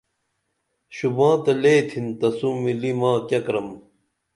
شُوباں تہ لے تِھن تسوں ملی ما کیہ کرم